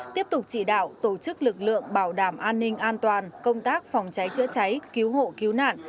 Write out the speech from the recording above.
tiếp tục chỉ đạo tổ chức lực lượng bảo đảm an ninh an toàn công tác phòng cháy chữa cháy cứu hộ cứu nạn